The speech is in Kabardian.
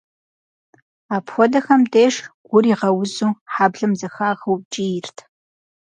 Апхуэдэхэм деж, гур игъэузу, хьэблэм зэхахыу кӏийрт.